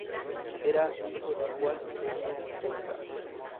Era hijo de Juan de Astorga.